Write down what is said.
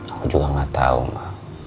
aku juga enggak tau ma